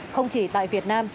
không chỉ tại việt nam